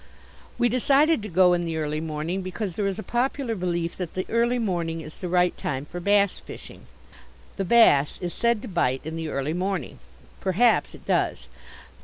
We decided to go in the early morning because there is a popular belief that the early morning is the right time for bass fishing. The bass is said to bite in the early morning. Perhaps it does.